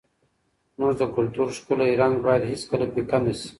زموږ د کلتور ښکلی رنګ باید هېڅکله پیکه نه سي.